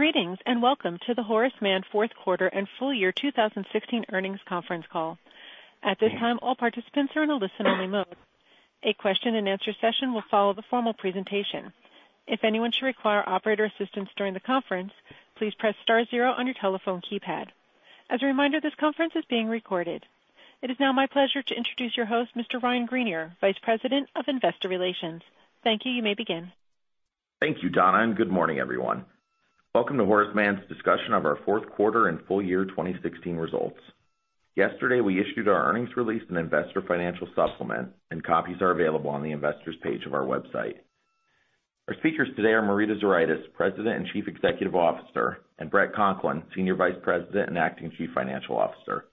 Greetings. Welcome to the Horace Mann fourth quarter and full year 2016 earnings conference call. At this time, all participants are in a listen-only mode. A question-and-answer session will follow the formal presentation. If anyone should require operator assistance during the conference, please press star zero on your telephone keypad. As a reminder, this conference is being recorded. It is now my pleasure to introduce your host, Mr. Ryan Greenier, Vice President of Investor Relations. Thank you. You may begin. Thank you, Donna. Good morning, everyone. Welcome to Horace Mann's discussion of our fourth quarter and full year 2016 results. Yesterday, we issued our earnings release and investor financial supplement. Copies are available on the investors page of our website. Our speakers today are Marita Zuraitis, President and Chief Executive Officer, and Bret Conklin, Senior Vice President and Acting Chief Financial Officer.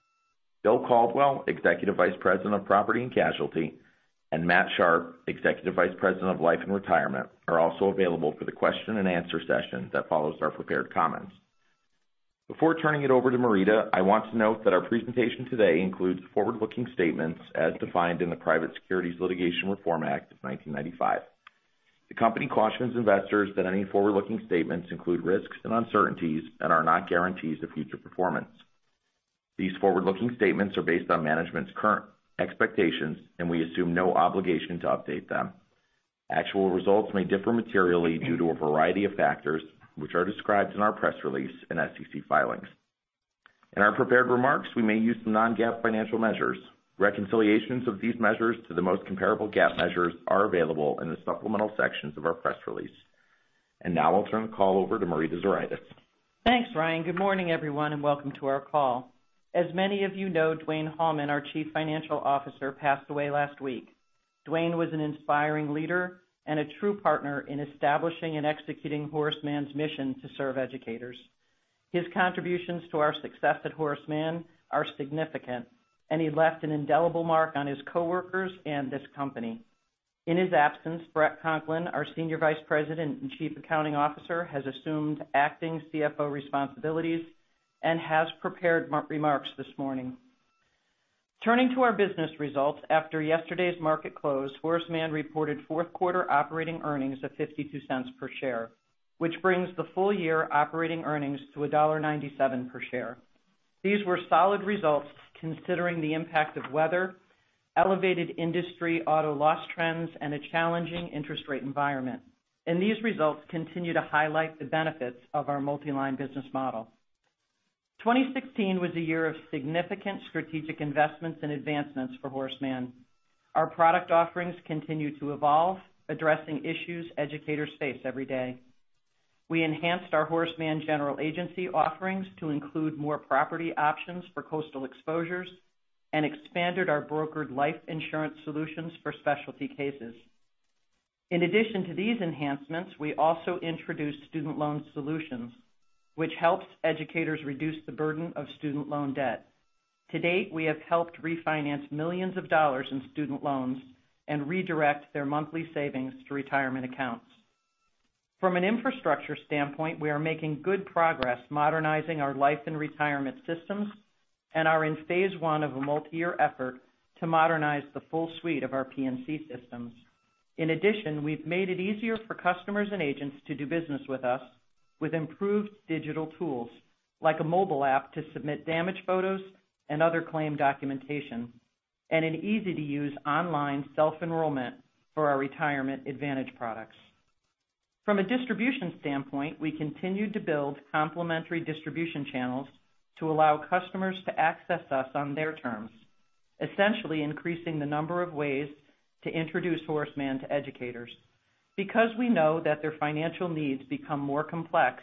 Bill Caldwell, Executive Vice President of Property and Casualty, and Matt Sharpe, Executive Vice President of Life and Retirement, are also available for the question-and-answer session that follows our prepared comments. Before turning it over to Marita, I want to note that our presentation today includes forward-looking statements as defined in the Private Securities Litigation Reform Act of 1995. The company cautions investors that any forward-looking statements include risks and uncertainties and are not guarantees of future performance. These forward-looking statements are based on management's current expectations. We assume no obligation to update them. Actual results may differ materially due to a variety of factors, which are described in our press release and SEC filings. In our prepared remarks, we may use some non-GAAP financial measures. Reconciliations of these measures to the most comparable GAAP measures are available in the supplemental sections of our press release. Now I'll turn the call over to Marita Zuraitis. Thanks, Ryan. Good morning, everyone. Welcome to our call. As many of you know, Dwayne Hallman, our Chief Financial Officer, passed away last week. Dwayne was an inspiring leader and a true partner in establishing and executing Horace Mann's mission to serve educators. His contributions to our success at Horace Mann are significant. He left an indelible mark on his coworkers and this company. In his absence, Bret Conklin, our Senior Vice President and Chief Accounting Officer, has assumed acting CFO responsibilities and has prepared remarks this morning. Turning to our business results, after yesterday's market close, Horace Mann reported fourth quarter operating earnings of $0.52 per share, which brings the full-year operating earnings to $1.97 per share. These were solid results considering the impact of weather, elevated industry auto loss trends, and a challenging interest rate environment. These results continue to highlight the benefits of our multi-line business model. 2016 was a year of significant strategic investments and advancements for Horace Mann. Our product offerings continue to evolve, addressing issues educators face every day. We enhanced our Horace Mann General Agency offerings to include more property options for coastal exposures and expanded our brokered life insurance solutions for specialty cases. In addition to these enhancements, we also introduced student loan solutions, which helps educators reduce the burden of student loan debt. To date, we have helped refinance millions of dollars in student loans and redirect their monthly savings to retirement accounts. From an infrastructure standpoint, we are making good progress modernizing our life and retirement systems and are in phase 1 of a multi-year effort to modernize the full suite of our P&C systems. In addition, we've made it easier for customers and agents to do business with us with improved digital tools, like a mobile app to submit damage photos and other claim documentation, and an easy-to-use online self-enrollment for our Retirement Advantage products. From a distribution standpoint, we continued to build complementary distribution channels to allow customers to access us on their terms, essentially increasing the number of ways to introduce Horace Mann to educators. Because we know that their financial needs become more complex,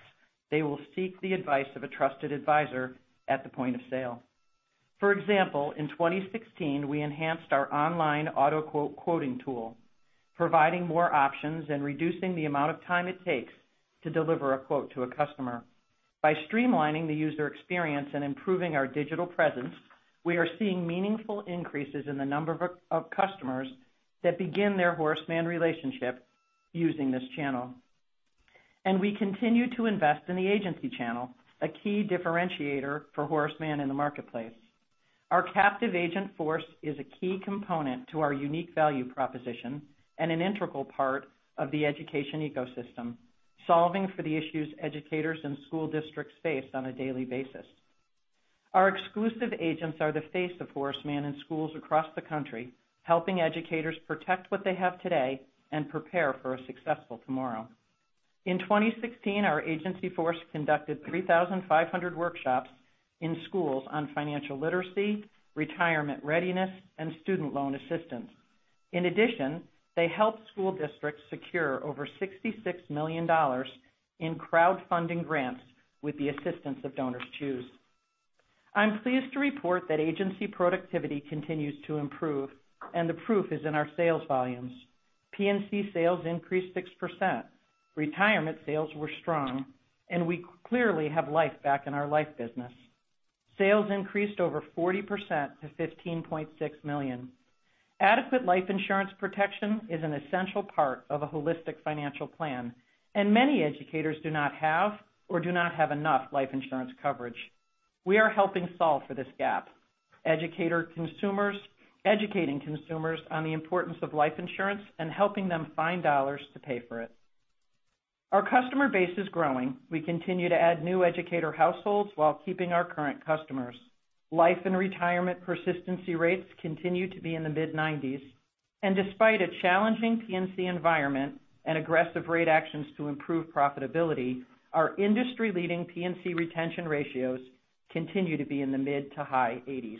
they will seek the advice of a trusted advisor at the point of sale. For example, in 2016, we enhanced our online auto quoting tool, providing more options and reducing the amount of time it takes to deliver a quote to a customer. By streamlining the user experience and improving our digital presence, we are seeing meaningful increases in the number of customers that begin their Horace Mann relationship using this channel. We continue to invest in the agency channel, a key differentiator for Horace Mann in the marketplace. Our captive agent force is a key component to our unique value proposition and an integral part of the education ecosystem, solving for the issues educators and school districts face on a daily basis. Our exclusive agents are the face of Horace Mann in schools across the country, helping educators protect what they have today and prepare for a successful tomorrow. In 2016, our agency force conducted 3,500 workshops in schools on financial literacy, retirement readiness, and student loan assistance. In addition, they helped school districts secure over $66 million in crowdfunding grants with the assistance of DonorsChoose. I'm pleased to report that agency productivity continues to improve, and the proof is in our sales volumes. P&C sales increased 6%, retirement sales were strong, and we clearly have life back in our life business. Sales increased over 40% to $15.6 million. Adequate life insurance protection is an essential part of a holistic financial plan, and many educators do not have or do not have enough life insurance coverage. We are helping solve for this gap. Educating consumers on the importance of life insurance and helping them find dollars to pay for it. Our customer base is growing. We continue to add new educator households while keeping our current customers. Life and retirement persistency rates continue to be in the mid-90s. Despite a challenging P&C environment and aggressive rate actions to improve profitability, our industry-leading P&C retention ratios continue to be in the mid to high 80s.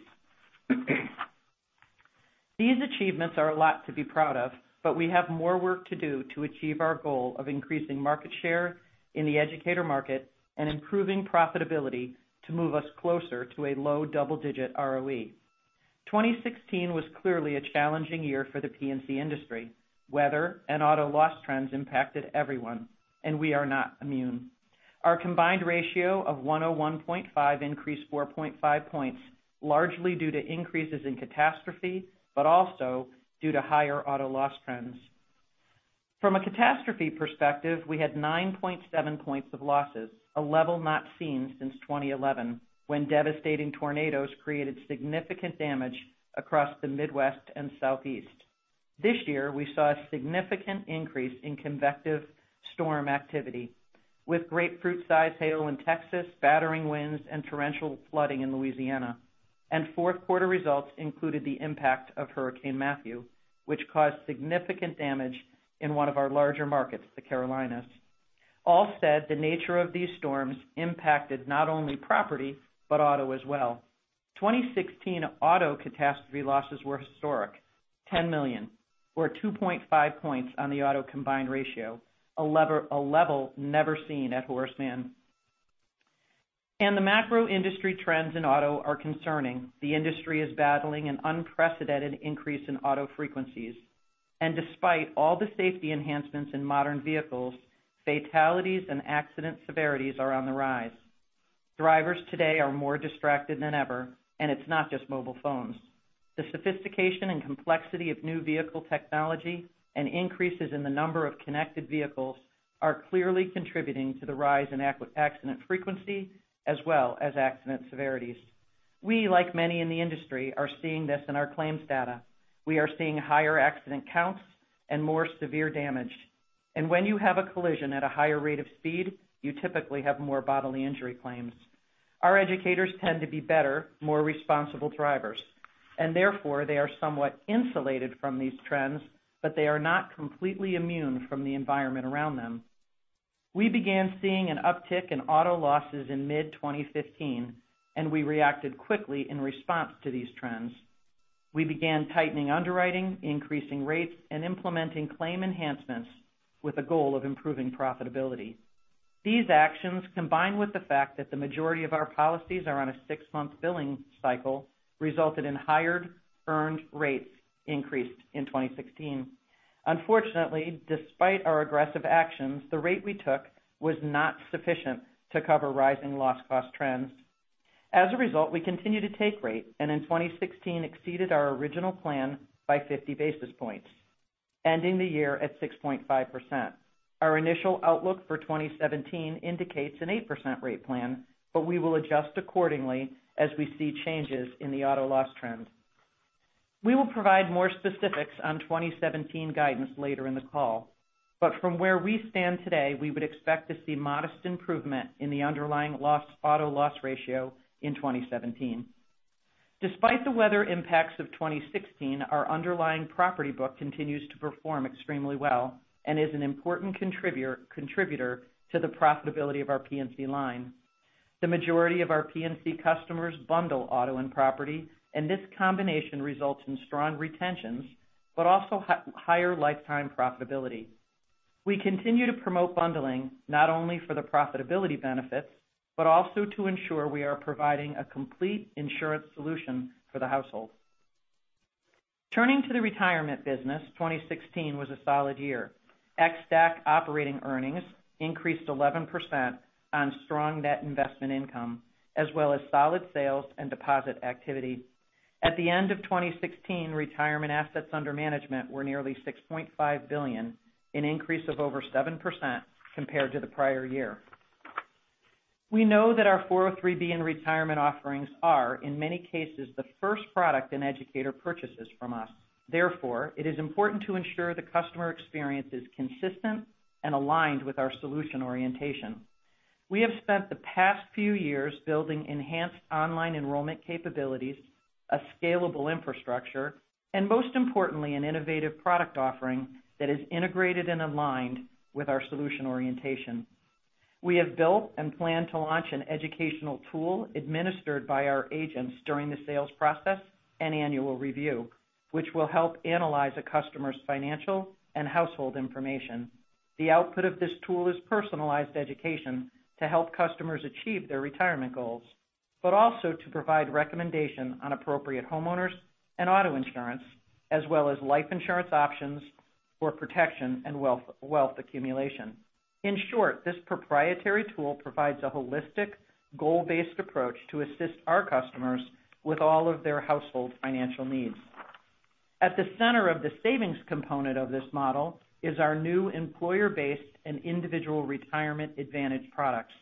These achievements are a lot to be proud of, we have more work to do to achieve our goal of increasing market share in the educator market and improving profitability to move us closer to a low double-digit ROE. 2016 was clearly a challenging year for the P&C industry. Weather and auto loss trends impacted everyone, and we are not immune. Our combined ratio of 101.5 increased 4.5 points, largely due to increases in catastrophe, but also due to higher auto loss trends. From a catastrophe perspective, we had 9.7 points of losses, a level not seen since 2011, when devastating tornadoes created significant damage across the Midwest and Southeast. This year, we saw a significant increase in convective storm activity, with grapefruit-sized hail in Texas, battering winds, and torrential flooding in Louisiana. Fourth quarter results included the impact of Hurricane Matthew, which caused significant damage in one of our larger markets, the Carolinas. All said, the nature of these storms impacted not only property, but auto as well. 2016 auto catastrophe losses were historic, $10 million, or 2.5 points on the auto combined ratio, a level never seen at Horace Mann. The macro industry trends in auto are concerning. The industry is battling an unprecedented increase in auto frequencies. Despite all the safety enhancements in modern vehicles, fatalities and accident severities are on the rise. Drivers today are more distracted than ever, and it's not just mobile phones. The sophistication and complexity of new vehicle technology and increases in the number of connected vehicles are clearly contributing to the rise in accident frequency as well as accident severities. We, like many in the industry, are seeing this in our claims data. We are seeing higher accident counts and more severe damage. When you have a collision at a higher rate of speed, you typically have more bodily injury claims. Our educators tend to be better, more responsible drivers, and therefore, they are somewhat insulated from these trends, but they are not completely immune from the environment around them. We began seeing an uptick in auto losses in mid-2015, and we reacted quickly in response to these trends. We began tightening underwriting, increasing rates, and implementing claim enhancements with a goal of improving profitability. These actions, combined with the fact that the majority of our policies are on a six-month billing cycle, resulted in higher earned rates increased in 2016. Unfortunately, despite our aggressive actions, the rate we took was not sufficient to cover rising loss cost trends. As a result, we continued to take rate, in 2016 exceeded our original plan by 50 basis points, ending the year at 6.5%. Our initial outlook for 2017 indicates an 8% rate plan, but we will adjust accordingly as we see changes in the auto loss trend. We will provide more specifics on 2017 guidance later in the call. From where we stand today, we would expect to see modest improvement in the underlying auto loss ratio in 2017. Despite the weather impacts of 2016, our underlying property book continues to perform extremely well and is an important contributor to the profitability of our P&C line. The majority of our P&C customers bundle auto and property, this combination results in strong retentions, but also higher lifetime profitability. We continue to promote bundling not only for the profitability benefits, but also to ensure we are providing a complete insurance solution for the household. Turning to the retirement business, 2016 was a solid year. ex-DAC operating earnings increased 11% on strong net investment income, as well as solid sales and deposit activity. At the end of 2016, retirement assets under management were nearly $6.5 billion, an increase of over 7% compared to the prior year. We know that our 403(b) and retirement offerings are, in many cases, the first product an educator purchases from us. Therefore, it is important to ensure the customer experience is consistent and aligned with our solution orientation. We have spent the past few years building enhanced online enrollment capabilities, a scalable infrastructure, and most importantly, an innovative product offering that is integrated and aligned with our solution orientation. We have built and plan to launch an educational tool administered by our agents during the sales process and annual review, which will help analyze a customer's financial and household information. The output of this tool is personalized education to help customers achieve their retirement goals, but also to provide recommendation on appropriate homeowners and auto insurance, as well as life insurance options for protection and wealth accumulation. In short, this proprietary tool provides a holistic, goal-based approach to assist our customers with all of their household financial needs. At the center of the savings component of this model is our new employer-based and individual Retirement Advantage products.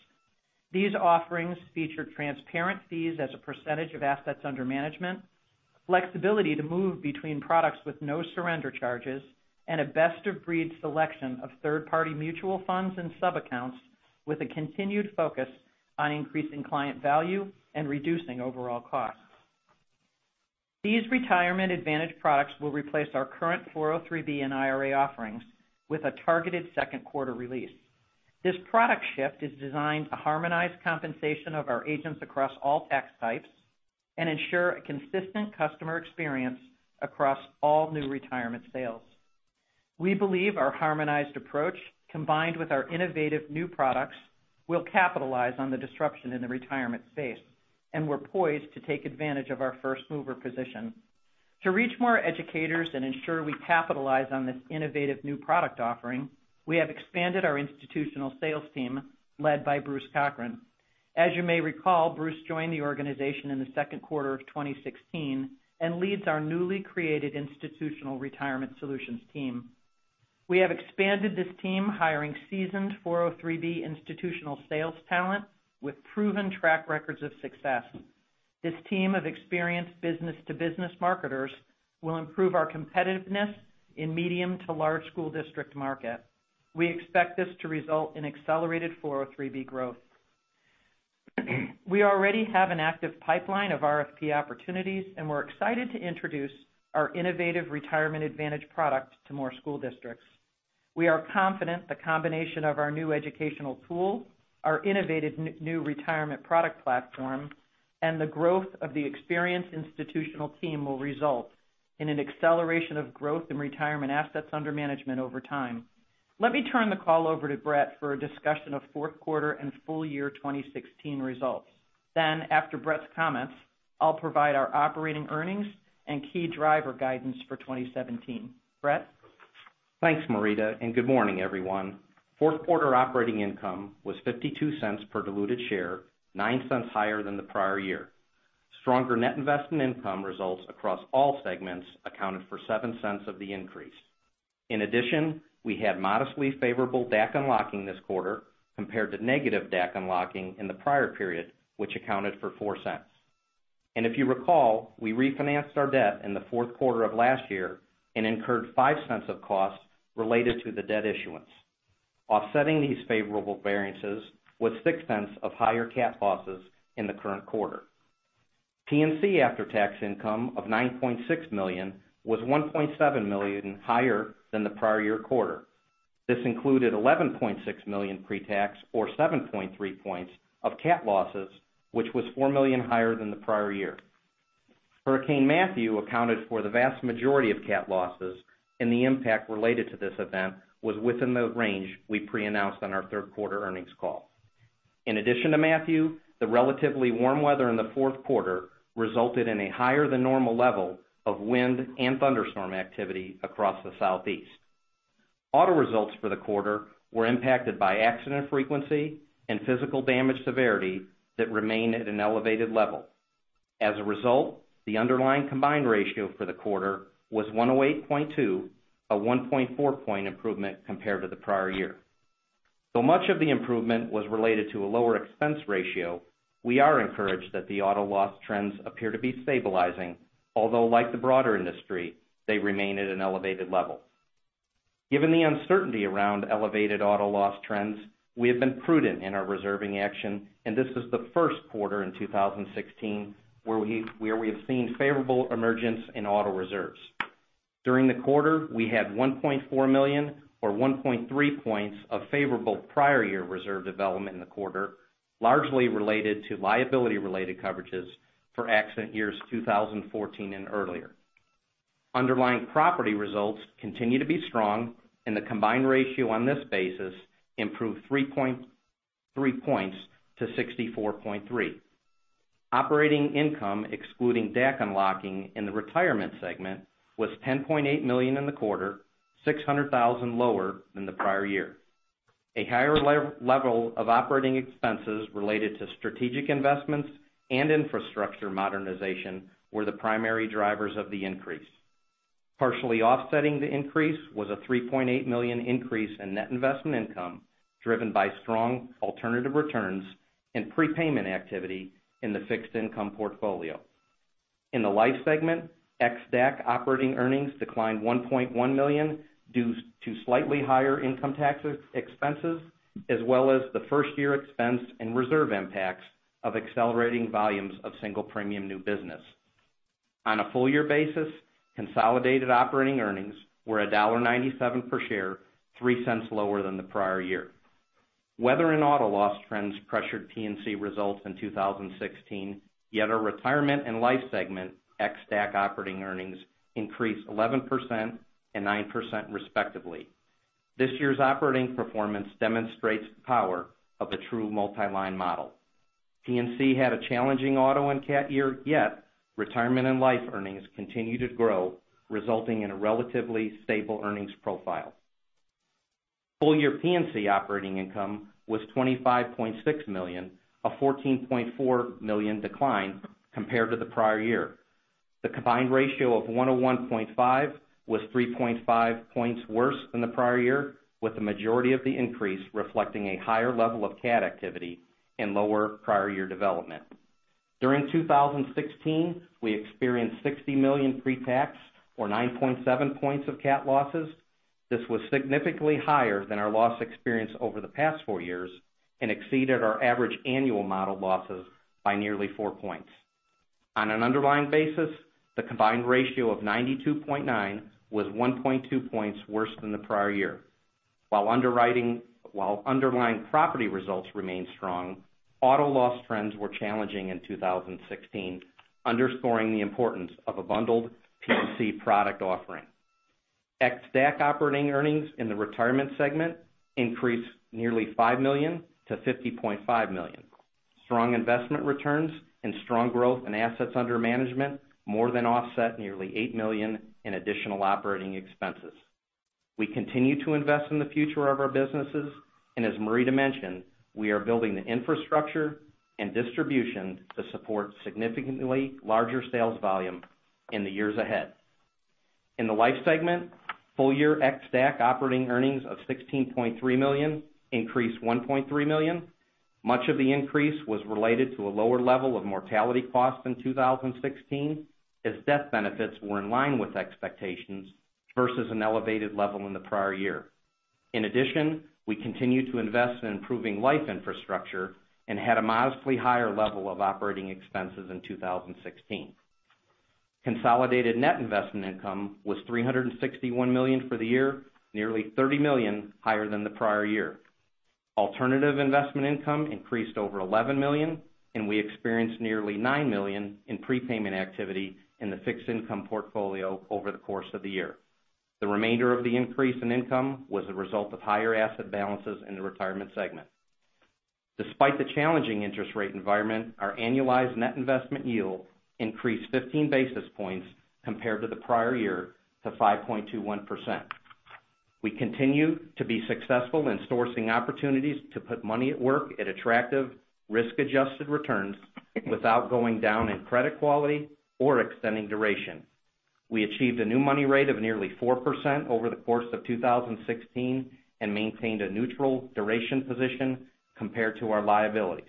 These offerings feature transparent fees as a percentage of assets under management, flexibility to move between products with no surrender charges, and a best-of-breed selection of third-party mutual funds and sub-accounts, with a continued focus on increasing client value and reducing overall costs. These Retirement Advantage products will replace our current 403(b) and IRA offerings with a targeted second quarter release. This product shift is designed to harmonize compensation of our agents across all tax types and ensure a consistent customer experience across all new retirement sales. We believe our harmonized approach, combined with our innovative new products, will capitalize on the disruption in the retirement space, and we're poised to take advantage of our first-mover position. To reach more educators and ensure we capitalize on this innovative new product offering, we have expanded our institutional sales team, led by Bruce Cochran. As you may recall, Bruce joined the organization in the second quarter of 2016 and leads our newly created Institutional Retirement Solutions team. We have expanded this team, hiring seasoned 403(b) institutional sales talent with proven track records of success. This team of experienced business-to-business marketers will improve our competitiveness in medium to large school district markets. We expect this to result in accelerated 403(b) growth. We already have an active pipeline of RFP opportunities, and we're excited to introduce our innovative Retirement Advantage product to more school districts. We are confident the combination of our new educational tool, our innovative new retirement product platform, and the growth of the experienced institutional team will result in an acceleration of growth in retirement assets under management over time. Let me turn the call over to Bret for a discussion of fourth quarter and full year 2016 results. After Bret's comments, I'll provide our operating earnings and key driver guidance for 2017. Bret? Thanks, Marita. Good morning, everyone. Fourth quarter operating income was $0.52 per diluted share, $0.09 higher than the prior year. Stronger net investment income results across all segments accounted for $0.07 of the increase. In addition, we had modestly favorable DAC unlocking this quarter compared to negative DAC unlocking in the prior period, which accounted for $0.04. If you recall, we refinanced our debt in the fourth quarter of last year and incurred $0.05 of costs related to the debt issuance. Offsetting these favorable variances was $0.06 of higher cat losses in the current quarter. P&C after-tax income of $9.6 million was $1.7 million higher than the prior year quarter. This included $11.6 million pre-tax, or 7.3 points of cat losses, which was $4 million higher than the prior year. Hurricane Matthew accounted for the vast majority of cat losses, the impact related to this event was within the range we pre-announced on our third quarter earnings call. In addition to Matthew, the relatively warm weather in the fourth quarter resulted in a higher-than-normal level of wind and thunderstorm activity across the Southeast. Auto results for the quarter were impacted by accident frequency and physical damage severity that remain at an elevated level. As a result, the underlying combined ratio for the quarter was 108.2, a 1.4 point improvement compared to the prior year. Though much of the improvement was related to a lower expense ratio, we are encouraged that the auto loss trends appear to be stabilizing, although, like the broader industry, they remain at an elevated level. Given the uncertainty around elevated auto loss trends, we have been prudent in our reserving action, this is the first quarter in 2016 where we have seen favorable emergence in auto reserves. During the quarter, we had $1.4 million, or 1.3 points of favorable prior year reserve development in the quarter, largely related to liability-related coverages for accident years 2014 and earlier. Underlying property results continue to be strong, the combined ratio on this basis improved 3.3 points to 64.3. Operating income excluding DAC unlocking in the retirement segment was $10.8 million in the quarter, $600,000 lower than the prior year. A higher level of operating expenses related to strategic investments and infrastructure modernization were the primary drivers of the increase. Partially offsetting the increase was a $3.8 million increase in net investment income, driven by strong alternative returns and prepayment activity in the fixed income portfolio. In the life segment, ex-DAC operating earnings declined $1.1 million due to slightly higher income tax expenses, as well as the first-year expense and reserve impacts of accelerating volumes of single-premium new business. On a full year basis, consolidated operating earnings were $1.97 per share, $0.03 lower than the prior year. Weather and auto loss trends pressured P&C results in 2016, yet our retirement and life segment ex-DAC operating earnings increased 11% and 9% respectively. This year's operating performance demonstrates the power of the true multi-line model. P&C had a challenging auto and cat year, yet retirement and life earnings continue to grow, resulting in a relatively stable earnings profile. Full year P&C operating income was $25.6 million, a $14.4 million decline compared to the prior year. The combined ratio of 101.5 was 3.5 points worse than the prior year, with the majority of the increase reflecting a higher level of cat activity and lower prior year development. During 2016, we experienced $60 million pre-tax, or 9.7 points of cat losses. This was significantly higher than our loss experience over the past four years and exceeded our average annual model losses by nearly four points. On an underlying basis, the combined ratio of 92.9 was 1.2 points worse than the prior year. While underlying property results remained strong, auto loss trends were challenging in 2016, underscoring the importance of a bundled P&C product offering. Ex-DAC operating earnings in the retirement segment increased nearly $5 million to $50.5 million. Strong investment returns and strong growth in assets under management more than offset nearly $8 million in additional operating expenses. We continue to invest in the future of our businesses. As Marita mentioned, we are building the infrastructure and distribution to support significantly larger sales volume in the years ahead. In the life segment, full year ex-DAC operating earnings of $16.3 million increased $1.3 million. Much of the increase was related to a lower level of mortality costs in 2016, as death benefits were in line with expectations versus an elevated level in the prior year. In addition, we continued to invest in improving life infrastructure and had a modestly higher level of operating expenses in 2016. Consolidated net investment income was $361 million for the year, nearly $30 million higher than the prior year. Alternative investment income increased over $11 million. We experienced nearly $9 million in prepayment activity in the fixed income portfolio over the course of the year. The remainder of the increase in income was a result of higher asset balances in the retirement segment. Despite the challenging interest rate environment, our annualized net investment yield increased 15 basis points compared to the prior year to 5.21%. We continue to be successful in sourcing opportunities to put money at work at attractive risk-adjusted returns without going down in credit quality or extending duration. We achieved a new money rate of nearly 4% over the course of 2016 and maintained a neutral duration position compared to our liabilities.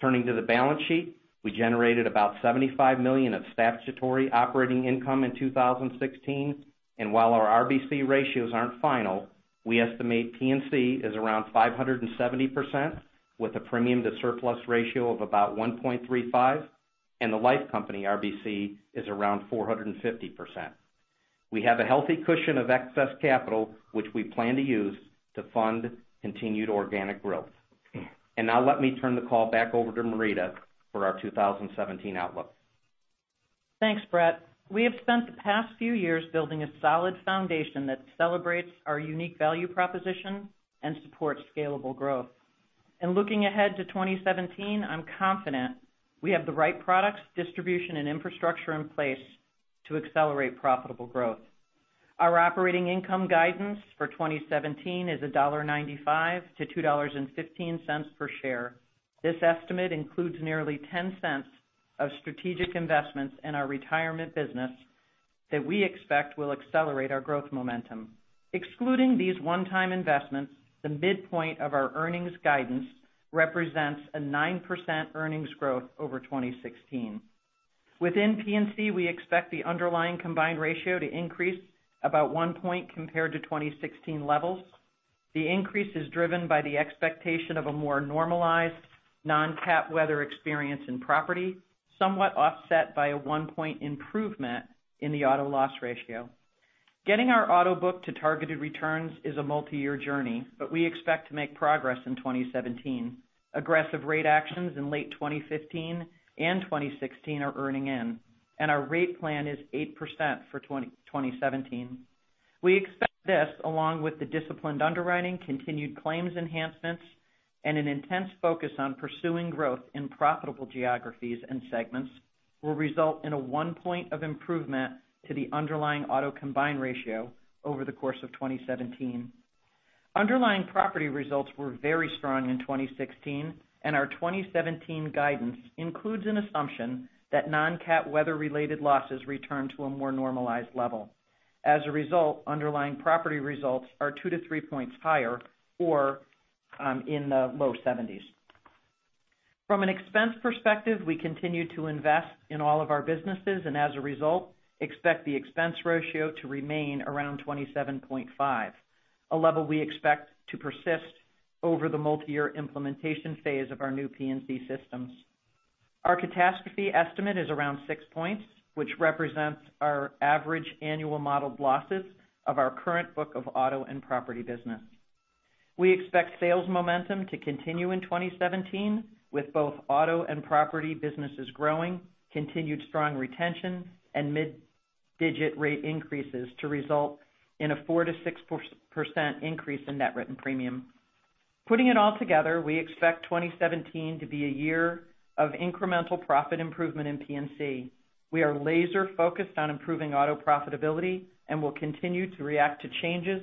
Turning to the balance sheet, we generated about $75 million of statutory operating income in 2016. While our RBC ratios aren't final, we estimate P&C is around 570% with a premium to surplus ratio of about 1.35. The life company RBC is around 450%. We have a healthy cushion of excess capital, which we plan to use to fund continued organic growth. Now let me turn the call back over to Marita for our 2017 outlook. Thanks, Bret. We have spent the past few years building a solid foundation that celebrates our unique value proposition and supports scalable growth. Looking ahead to 2017, I'm confident we have the right products, distribution, and infrastructure in place to accelerate profitable growth. Our operating income guidance for 2017 is $1.95 to $2.15 per share. This estimate includes nearly $0.10 of strategic investments in our retirement business that we expect will accelerate our growth momentum. Excluding these one-time investments, the midpoint of our earnings guidance represents a 9% earnings growth over 2016. Within P&C, we expect the underlying combined ratio to increase about one point compared to 2016 levels. The increase is driven by the expectation of a more normalized non-cat weather experience in property, somewhat offset by a one-point improvement in the auto loss ratio. Getting our auto book to targeted returns is a multi-year journey, but we expect to make progress in 2017. Aggressive rate actions in late 2015 and 2016 are earning in, our rate plan is 8% for 2017. We expect this, along with the disciplined underwriting, continued claims enhancements, and an intense focus on pursuing growth in profitable geographies and segments, will result in a one point of improvement to the underlying auto combined ratio over the course of 2017. Underlying property results were very strong in 2016, our 2017 guidance includes an assumption that non-cat weather-related losses return to a more normalized level. As a result, underlying property results are two to three points higher or in the low 70s. From an expense perspective, we continue to invest in all of our businesses, as a result, expect the expense ratio to remain around 27.5, a level we expect to persist over the multi-year implementation phase of our new P&C systems. Our catastrophe estimate is around six points, which represents our average annual model losses of our current book of auto and property business. We expect sales momentum to continue in 2017 with both auto and property businesses growing, continued strong retention, mid-digit rate increases to result in a 4%-6% increase in net written premium. Putting it all together, we expect 2017 to be a year of incremental profit improvement in P&C. We are laser focused on improving auto profitability and will continue to react to changes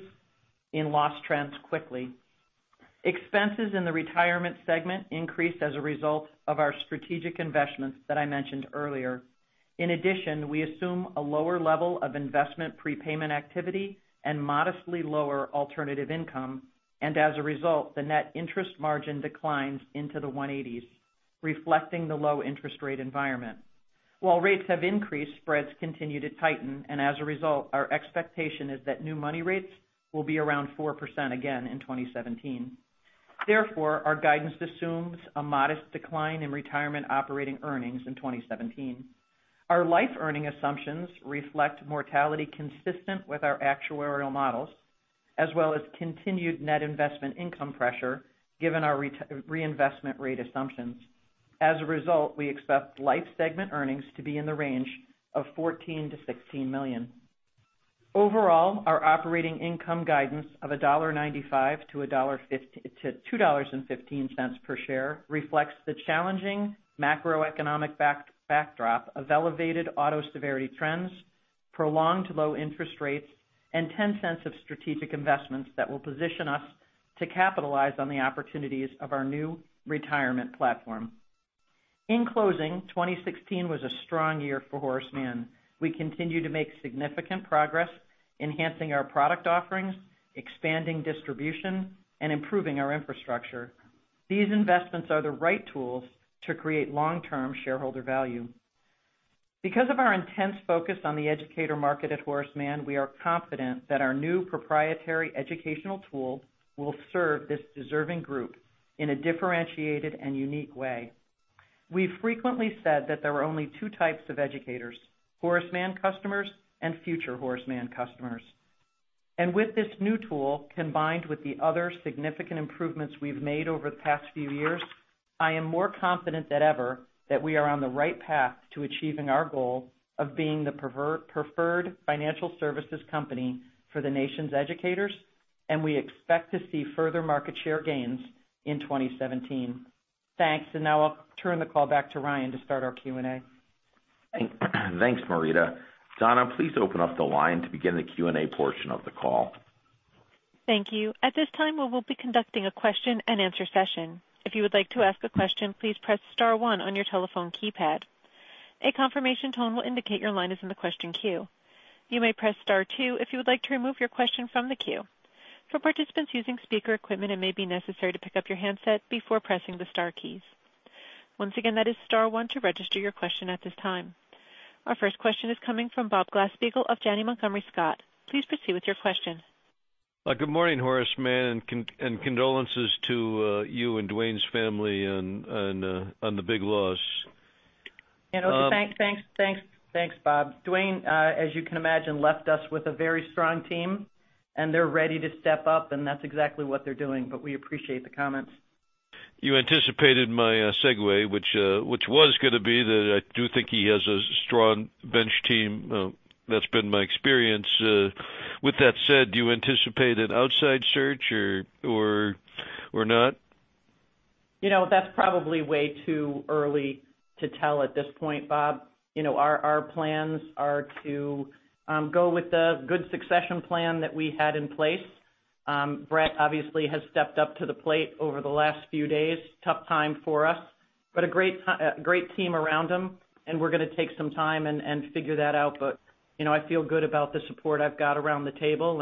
in loss trends quickly. Expenses in the retirement segment increased as a result of our strategic investments that I mentioned earlier. We assume a lower level of investment prepayment activity and modestly lower alternative income, as a result, the net interest margin declines into the 180s, reflecting the low interest rate environment. While rates have increased, spreads continue to tighten, as a result, our expectation is that new money rates will be around 4% again in 2017. Therefore, our guidance assumes a modest decline in retirement operating earnings in 2017. Our life earning assumptions reflect mortality consistent with our actuarial models, as well as continued net investment income pressure, given our reinvestment rate assumptions. As a result, we expect life segment earnings to be in the range of $14 million-$16 million. Overall, our operating income guidance of $1.95-$2.15 per share reflects the challenging macroeconomic backdrop of elevated auto severity trends, prolonged low interest rates, and $0.10 of strategic investments that will position us to capitalize on the opportunities of our new retirement platform. In closing, 2016 was a strong year for Horace Mann. We continue to make significant progress enhancing our product offerings, expanding distribution, and improving our infrastructure. These investments are the right tools to create long-term shareholder value. Because of our intense focus on the educator market at Horace Mann, we are confident that our new proprietary educational tool will serve this deserving group in a differentiated and unique way. We've frequently said that there are only two types of educators, Horace Mann customers and future Horace Mann customers. With this new tool, combined with the other significant improvements we've made over the past few years, I am more confident than ever that we are on the right path to achieving our goal of being the preferred financial services company for the nation's educators, we expect to see further market share gains in 2017. Thanks. Now I'll turn the call back to Ryan to start our Q&A. Thanks, Marita. Donna, please open up the line to begin the Q&A portion of the call. Thank you. At this time, we will be conducting a question and answer session. If you would like to ask a question, please press star one on your telephone keypad. A confirmation tone will indicate your line is in the question queue. You may press star two if you would like to remove your question from the queue. For participants using speaker equipment, it may be necessary to pick up your handset before pressing the star keys. Once again, that is star one to register your question at this time. Our first question is coming from Bob Glasspiegel of Janney Montgomery Scott. Please proceed with your question. Good morning, Horace Mann, and condolences to you and Dwayne's family on the big loss. Thanks, Bob. Dwayne, as you can imagine, left us with a very strong team, and they're ready to step up, and that's exactly what they're doing. We appreciate the comments. You anticipated my segue, which was going to be that I do think he has a strong bench team. That's been my experience. With that said, do you anticipate an outside search or not? That's probably way too early to tell at this point, Bob. Our plans are to go with the good succession plan that we had in place. Bret obviously has stepped up to the plate over the last few days. Tough time for us, but a great team around him, and we're going to take some time and figure that out. I feel good about the support I've got around the table.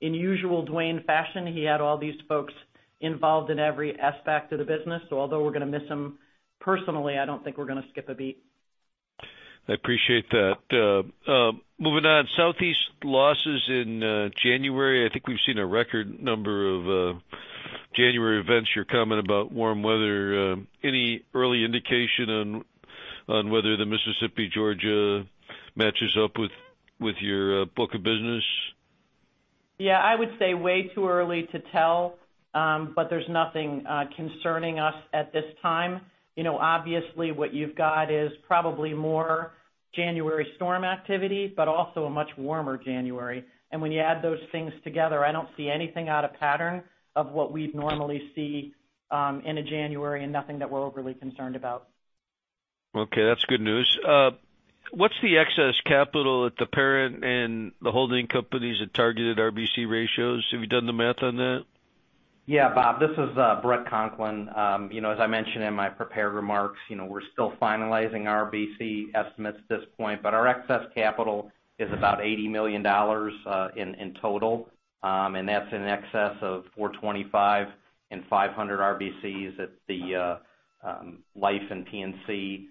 In usual Dwayne fashion, he had all these folks involved in every aspect of the business. Although we're going to miss him personally, I don't think we're going to skip a beat. I appreciate that. Moving on. Southeast losses in January, I think we've seen a record number of January events. Your comment about warm weather. Any early indication on whether the Mississippi, Georgia matches up with your book of business? Yeah, I would say way too early to tell. There's nothing concerning us at this time. Obviously, what you've got is probably more January storm activity, but also a much warmer January. When you add those things together, I don't see anything out of pattern of what we'd normally see in a January and nothing that we're overly concerned about. Okay, that's good news. What's the excess capital at the parent and the holding companies at targeted RBC ratios? Have you done the math on that? Bob, this is Bret Conklin. As I mentioned in my prepared remarks, we're still finalizing RBC estimates at this point, our excess capital is about $80 million in total. That's in excess of 425 and 500 RBCs at the life and P&C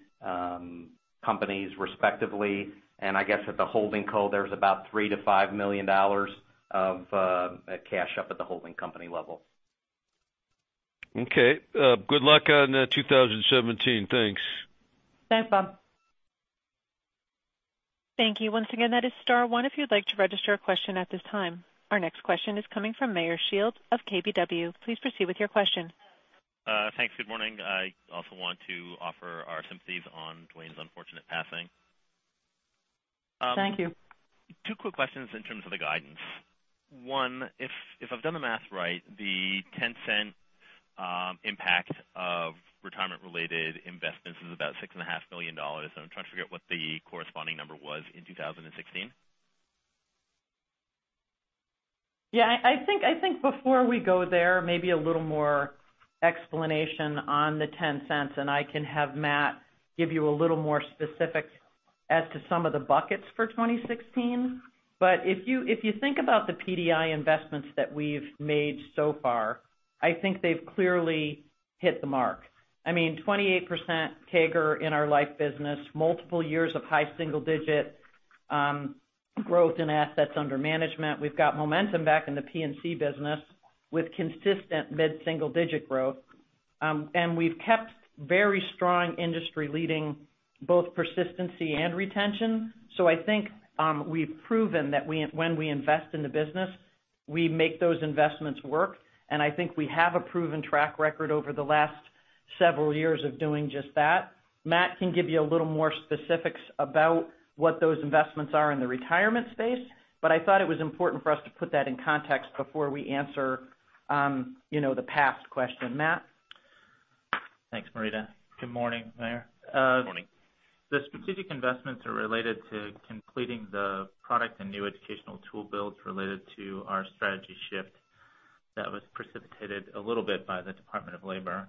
companies, respectively. I guess at the holding co, there's about $3 million to $5 million of cash up at the holding company level. Okay. Good luck on 2017. Thanks. Thanks, Bob. Thank you. Once again, that is star one if you'd like to register a question at this time. Our next question is coming from Meyer Shields of KBW. Please proceed with your question. Thanks. Good morning. I also want to offer our sympathies on Dwayne's unfortunate passing. Thank you. Two quick questions in terms of the guidance. One, if I've done the math right, the $0.10 impact of retirement-related investments is about $6.5 million. I'm trying to figure out what the corresponding number was in 2016. Yeah. I think before we go there, maybe a little more explanation on the $0.10, and I can have Matt give you a little more specific as to some of the buckets for 2016. If you think about the PDI investments that we've made so far, I mean, I think they've clearly hit the mark. 28% CAGR in our life business, multiple years of high single-digit growth in assets under management. We've got momentum back in the P&C business with consistent mid-single-digit growth. We've kept very strong industry leading both persistency and retention. I think, we've proven that when we invest in the business, we make those investments work, and I think we have a proven track record over the last several years of doing just that. Matt can give you a little more specifics about what those investments are in the retirement space, but I thought it was important for us to put that in context before we answer the past question. Matt? Thanks, Marita. Good morning, Meyer. Morning. The specific investments are related to completing the product and new educational tool builds related to our strategy shift that was precipitated a little bit by the Department of Labor.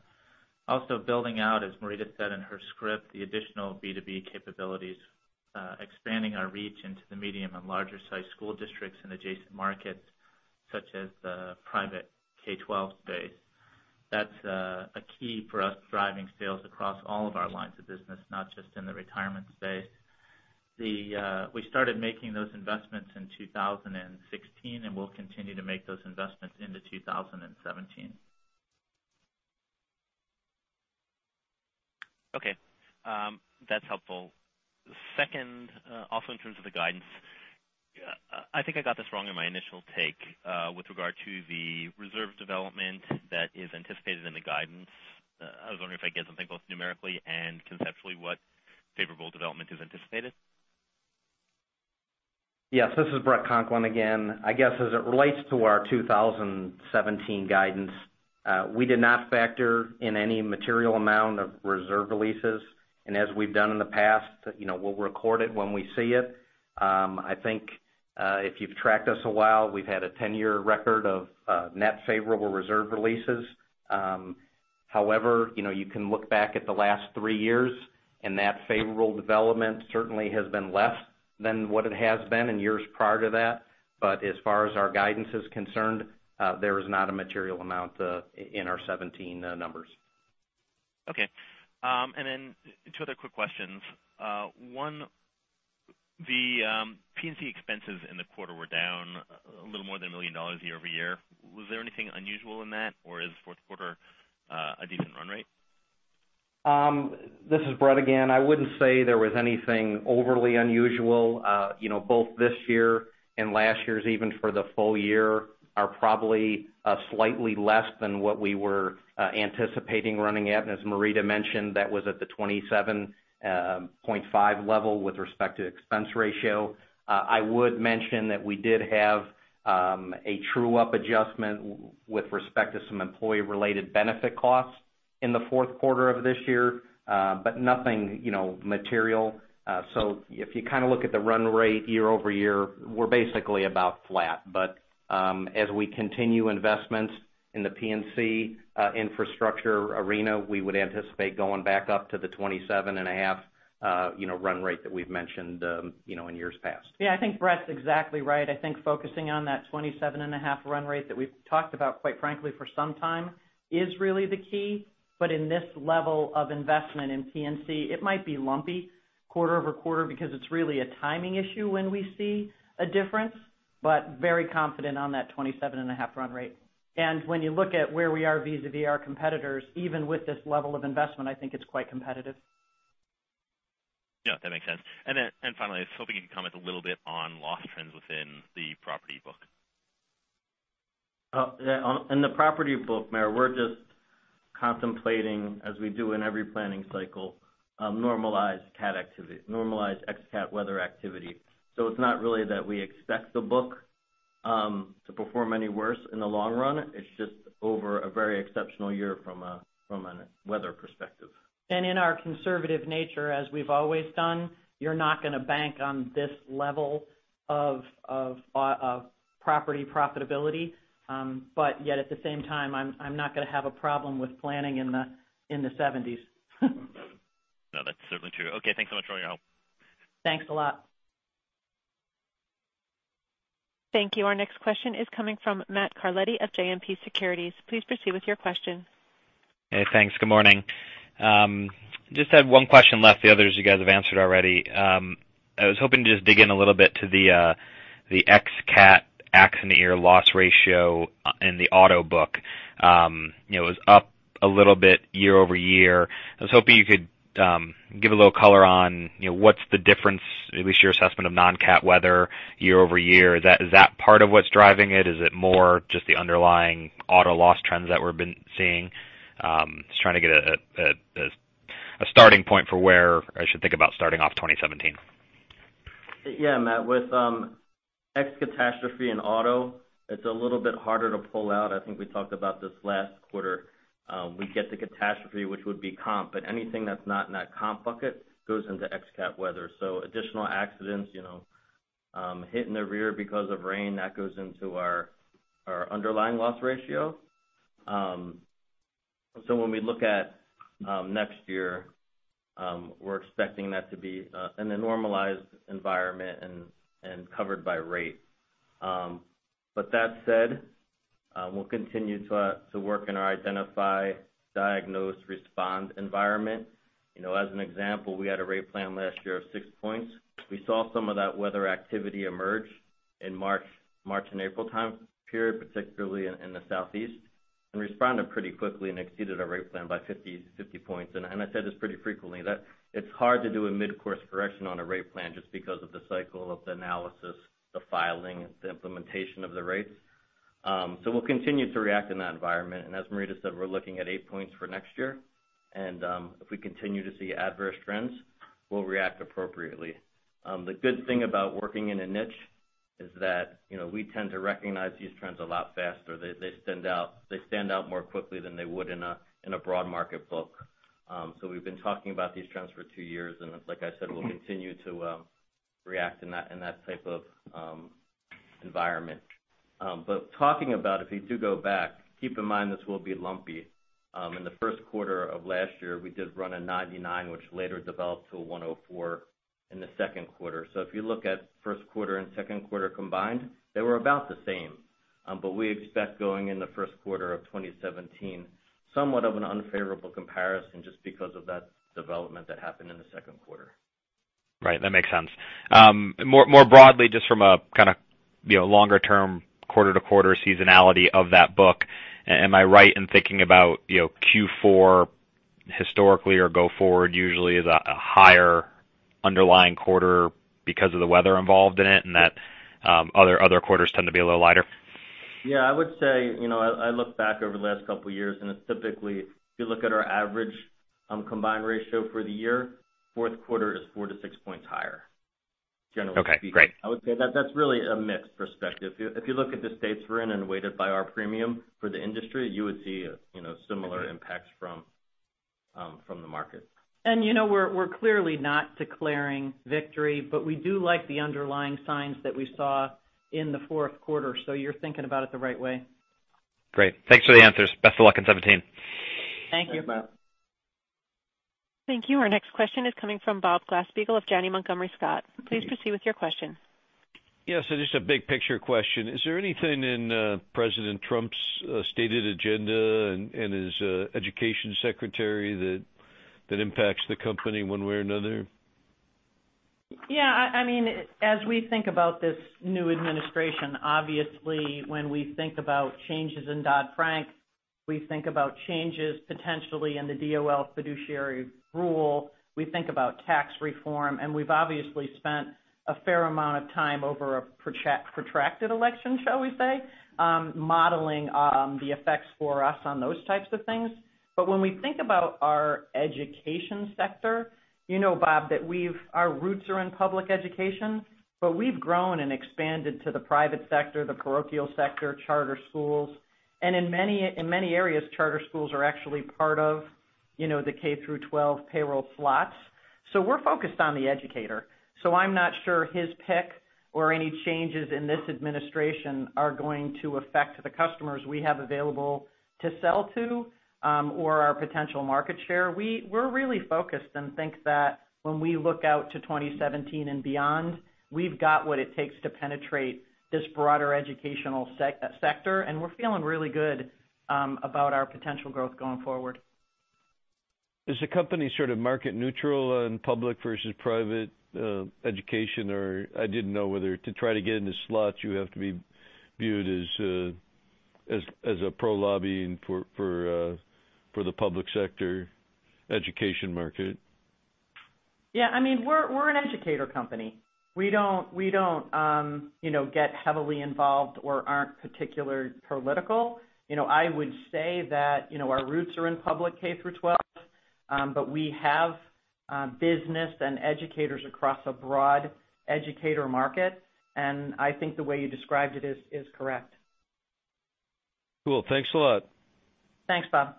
Building out, as Marita said in her script, the additional B2B capabilities, expanding our reach into the medium and larger-sized school districts and adjacent markets such as the private K-12 space. That's a key for us driving sales across all of our lines of business, not just in the retirement space. We started making those investments in 2016, and we'll continue to make those investments into 2017. Okay. That's helpful. Second, in terms of the guidance, I think I got this wrong in my initial take, with regard to the reserve development that is anticipated in the guidance. I was wondering if I could get something both numerically and conceptually what favorable development is anticipated. Yes, this is Bret Conklin again. I guess as it relates to our 2017 guidance, we did not factor in any material amount of reserve releases. As we've done in the past, we'll record it when we see it. I think, if you've tracked us a while, we've had a 10-year record of net favorable reserve releases. However, you can look back at the last three years, and that favorable development certainly has been less than what it has been in years prior to that. As far as our guidance is concerned, there is not a material amount in our 2017 numbers. Okay. Then two other quick questions. One, the P&C expenses in the quarter were down a little more than $1 million year-over-year. Was there anything unusual in that, or is fourth quarter a decent run rate? This is Bret again. I wouldn't say there was anything overly unusual. Both this year and last year's, even for the full year, are probably slightly less than what we were anticipating running at. As Marita Zuraitis mentioned, that was at the 27.5 level with respect to expense ratio. I would mention that we did have a true-up adjustment with respect to some employee-related benefit costs in the fourth quarter of this year. Nothing material. If you look at the run rate year-over-year, we're basically about flat. As we continue investments in the P&C infrastructure arena, we would anticipate going back up to the 27 and a half run rate that we've mentioned in years past. Yeah, I think Bret's exactly right. I think focusing on that 27 and a half run rate that we've talked about, quite frankly, for some time is really the key. In this level of investment in P&C, it might be lumpy quarter-over-quarter because it's really a timing issue when we see a difference, but very confident on that 27 and a half run rate. When you look at where we are vis-à-vis our competitors, even with this level of investment, I think it's quite competitive. Yeah, that makes sense. Finally, I was hoping you could comment a little bit on loss trends within the property book. In the property book, Meyer, we're just contemplating, as we do in every planning cycle, normalized cat activity, normalized ex-cat weather activity. It's not really that we expect the book to perform any worse in the long run. It's just over a very exceptional year from a weather perspective. In our conservative nature, as we've always done, you're not going to bank on this level of property profitability. At the same time, I'm not going to have a problem with planning in the 70s. No, that's certainly true. Okay, thanks so much for all your help. Thanks a lot. Thank you. Our next question is coming from Matt Carletti of JMP Securities. Please proceed with your question. Hey, thanks. Good morning. Just had one question left. The others you guys have answered already. I was hoping to just dig in a little bit to the ex-cat accident year loss ratio in the auto book. It was up a little bit year-over-year. I was hoping you could give a little color on what's the difference, at least your assessment of non-cat weather year-over-year. Is that part of what's driving it? Is it more just the underlying auto loss trends that we've been seeing? Just trying to get a starting point for where I should think about starting off 2017. Yeah, Matt, with ex catastrophe and auto, it's a little bit harder to pull out. I think we talked about this last quarter. We get the catastrophe, which would be comp, but anything that's not in that comp bucket goes into ex cat weather. Additional accidents, hit in the rear because of rain, that goes into our underlying loss ratio. When we look at next year, we're expecting that to be in a normalized environment and covered by rate. That said, we'll continue to work in our identify, diagnose, respond environment. As an example, we had a rate plan last year of six points. We saw some of that weather activity emerge in March and April time period, particularly in the Southeast, and responded pretty quickly and exceeded our rate plan by 50 points. I said this pretty frequently, that it's hard to do a mid-course correction on a rate plan just because of the cycle of the analysis, the filing, the implementation of the rates. We'll continue to react in that environment. As Marita said, we're looking at eight points for next year. If we continue to see adverse trends, we'll react appropriately. The good thing about working in a niche is that, we tend to recognize these trends a lot faster. They stand out more quickly than they would in a broad market book. We've been talking about these trends for two years, and like I said, we'll continue to react in that type of environment. Talking about, if you do go back, keep in mind this will be lumpy. In the first quarter of last year, we did run a 99, which later developed to a 104 in the second quarter. If you look at first quarter and second quarter combined, they were about the same. We expect going in the first quarter of 2017, somewhat of an unfavorable comparison just because of that development that happened in the second quarter. Right. That makes sense. More broadly, just from a kind of longer-term, quarter-to-quarter seasonality of that book, am I right in thinking about Q4 historically or go forward usually is a higher underlying quarter because of the weather involved in it, and that other quarters tend to be a little lighter? Yeah, I would say, I looked back over the last couple of years, and it's typically, if you look at our average combined ratio for the year, fourth quarter is 4 to 6 points higher, generally speaking. Okay, great. I would say that's really a mixed perspective. If you look at the states we're in and weighted by our premium for the industry, you would see similar impacts from the market. We're clearly not declaring victory, but we do like the underlying signs that we saw in the fourth quarter. You're thinking about it the right way. Great. Thanks for the answers. Best of luck in 2017. Thank you. Thanks, Matt. Thank you. Our next question is coming from Bob Glasspiegel of Janney Montgomery Scott. Please proceed with your question. Yes, just a big picture question. Is there anything in President Trump's stated agenda and his education secretary that impacts the company one way or another? Yeah, as we think about this new administration, obviously, when we think about changes in Dodd-Frank, we think about changes potentially in the DOL Fiduciary Rule. We think about tax reform. We've obviously spent a fair amount of time over a protracted election, shall we say, modeling the effects for us on those types of things. When we think about our education sector, you know, Bob, that our roots are in public education, but we've grown and expanded to the private sector, the parochial sector, charter schools, and in many areas, charter schools are actually part of the K-12 payroll slots. We're focused on the educator. I'm not sure his pick or any changes in this administration are going to affect the customers we have available to sell to or our potential market share. We're really focused and think that when we look out to 2017 and beyond, we've got what it takes to penetrate this broader educational sector, and we're feeling really good about our potential growth going forward. Is the company sort of market neutral on public versus private education? I didn't know whether to try to get into slots, you have to be viewed as a pro-lobbying for the public sector education market. Yeah, we're an educator company. We don't get heavily involved or aren't particular political. I would say that our roots are in public K-12, but we have business and educators across a broad educator market, and I think the way you described it is correct. Cool. Thanks a lot. Thanks, Bob.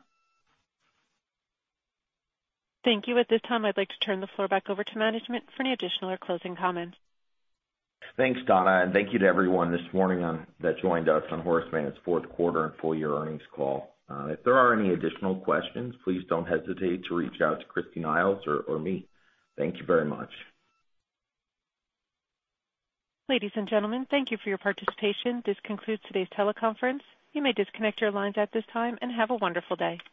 Thank you. At this time, I'd like to turn the floor back over to management for any additional or closing comments. Thanks, Donna, and thank you to everyone this morning that joined us on Horace Mann's fourth quarter and full year earnings call. If there are any additional questions, please don't hesitate to reach out to Kristi Niles or me. Thank you very much. Ladies and gentlemen, thank you for your participation. This concludes today's teleconference. You may disconnect your lines at this time, and have a wonderful day.